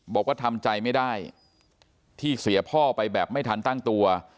บอกว่าทำใจไม่ได้ที่เสียพ่อไปแบบไม่ทันตั้งตัว